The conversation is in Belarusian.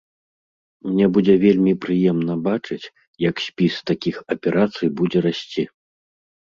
Мне будзе вельмі прыемна бачыць, як спіс такіх аперацый будзе расці.